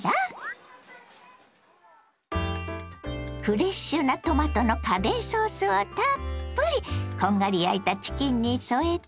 フレッシュなトマトのカレーソースをたっぷりこんがり焼いたチキンに添えて。